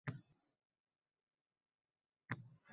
qish qancha zug’umlab, oyoq tirasa